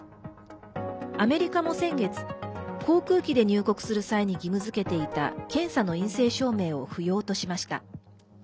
アメリカも先月航空機で入国する際に義務づけていた検査の陰性証明を不要としました。